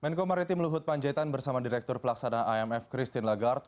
menko maritim luhut panjaitan bersama direktur pelaksanaan imf christine lagarde